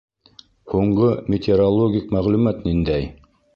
Һуңғы метеорологик мәғлүмәт ниндәй?